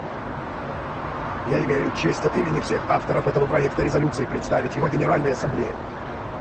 Я имею честь от имени всех авторов этого проекта резолюции представить его Генеральной Ассамблее.